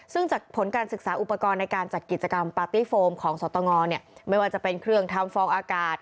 ซึ่งจากผลการศึกษาอุปกรณ์ในการจัดกิจกรรมปาร์ตี้โฟมของสตงไม่ว่าจะเป็นเครื่องทำฟองอากาศ